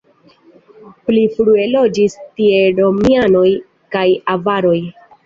Pli frue loĝis tie romianoj kaj avaroj.